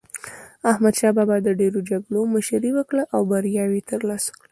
احمد شاه بابا د ډېرو جګړو مشري وکړه او بریاوي یې ترلاسه کړې.